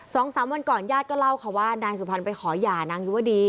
สองสามวันก่อนญาติก็เล่าว่านายสุภัณฑ์ไปขอหย่านางอยู่ว่าดี